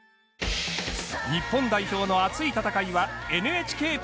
日本代表の熱い戦いはＮＨＫプラスでも。